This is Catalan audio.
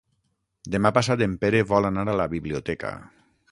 Demà passat en Pere vol anar a la biblioteca.